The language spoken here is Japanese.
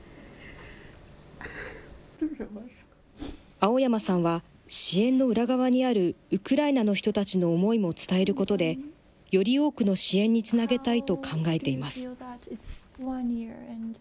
青山さんは、支援の裏側にあるウクライナの人たちの思いも伝えることで、より多くの支援につなげたいと考えています。